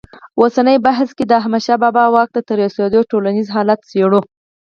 اوسني بحث کې د احمدشاه بابا واک ته تر رسېدو ټولنیز حالت څېړو.